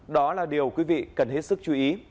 đó là điều quý vị cần hết sức chú ý